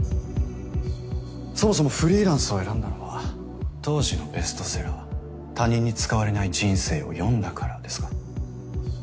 そもそもフリーランスを選んだのは当時のベストセラー「他人に使われない人生」を読んだからですか？